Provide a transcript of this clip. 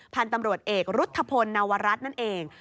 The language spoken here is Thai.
พันธุ์ตำรวจเอกรุธพลนวรัฐนั่นเอง